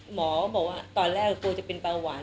หมอก็บอกว่าตอนแรกกลัวจะเป็นเบาหวาน